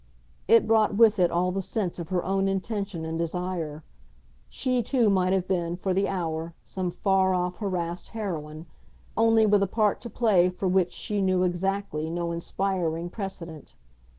It brought with it all the sense of her own intention and desire; she too might have been, for the hour, some far off harassed heroine only with a part to play for which she knew, exactly, no inspiring precedent.